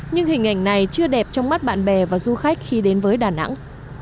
nhưng hình ảnh này chưa đẹp trong mắt bạn bè và du khách khi đến với đà nẵng